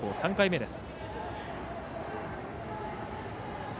３回目です。